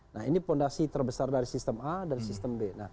nah ini fondasi terbesar dari sistem a dan sistem b